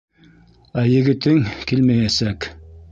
Ә егетең килмәйәсәк.